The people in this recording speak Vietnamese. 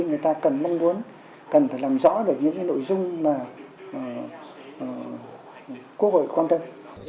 người ta cần mong muốn cần phải làm rõ được những nội dung mà quốc hội quan tâm